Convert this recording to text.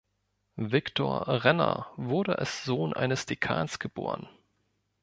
Viktor Renner wurde als Sohn eines Dekans geboren.